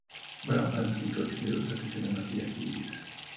Brown ha escrito ocho libros acerca de maquillaje y belleza.